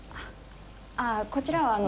ああこちらはあの。